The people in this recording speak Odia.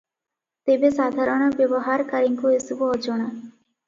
ତେବେ ସାଧାରଣ ବ୍ୟବହାରକାରୀଙ୍କୁ ଏସବୁ ଅଜଣା ।